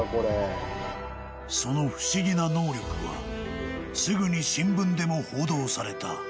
［その不思議な能力はすぐに新聞でも報道された］